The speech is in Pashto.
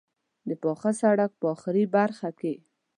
د پاخه سړک په آخري برخه کې.